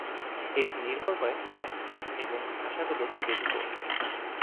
এটি নির্ভর করে সাংস্কৃতিক এবং ভাষাগত দিকের উপর।